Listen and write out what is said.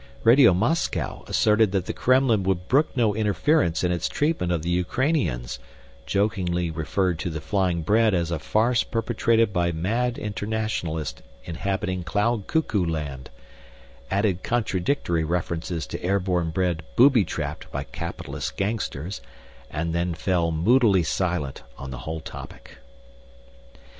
Radio Moscow asserted that the Kremlin would brook no interference in its treatment of the Ukrainians, jokingly referred to the flying bread as a farce perpetrated by mad internationalists inhabiting Cloud Cuckoo Land, added contradictory references to airborne bread booby trapped by Capitalist gangsters, and then fell moodily silent on the whole topic.